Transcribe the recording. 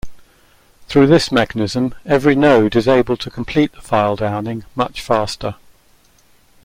Through this mechanism, every node is able to complete the file downing much faster.